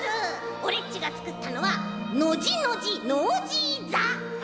オレっちがつくったのはノジノジノージーざ！